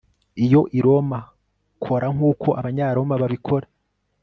Iyo i Roma kora nkuko Abanyaroma babikora